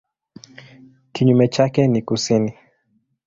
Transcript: Kinyume chake ni kusini.